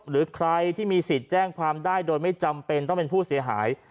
หรือใครที่มีสิทธิ์แจ้งความได้โดยไม่จำเป็นต้องเป็นผู้เสียหาย